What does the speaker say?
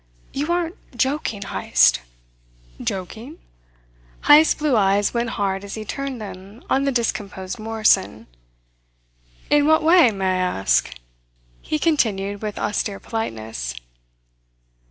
You aren't joking, Heyst?" "Joking!" Heyst's blue eyes went hard as he turned them on the discomposed Morrison. "In what way, may I ask?" he continued with austere politeness.